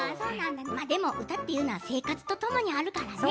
でも歌というのは生活とともにあるからね。